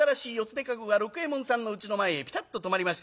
手駕籠が六右衛門さんのうちの前へぴたっと止まりまして。